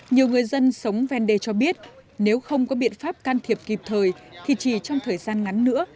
nhiều người dân sống ven đê cho biết nếu không có biện pháp can thiệp kịp thời thì chỉ trong thời gian ngắn nữa